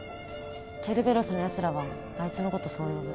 ケルベロスのやつらはあいつのことそう呼ぶ。